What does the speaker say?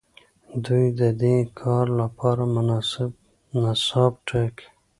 دوی ددې کار لپاره مناسب نصاب ټاکي.